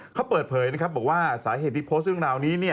เขาเปิดเผยนะครับบอกว่าสาเหตุที่โพสต์เรื่องราวนี้